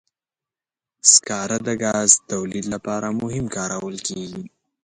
سکاره د ګاز تولید لپاره هم کارول کېږي.